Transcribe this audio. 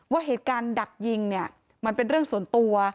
ว่าเหตุการณ์ดักยิงเนี่ยมันเป็นเรื่องส่วนตัว